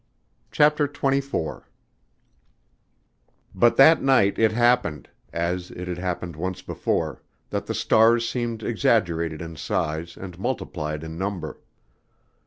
CHAPTER XXIV But that night it happened, as it had happened once before, that the stars seemed exaggerated in size and multiplied in number.